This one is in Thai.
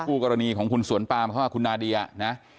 ผู้กรณีของคุณสวนปาไปข้างข้างคุณนาเดียนะ